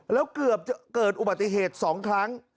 แล้วเกือบจะเกิดอุบัติเหตุ๒ครั้ง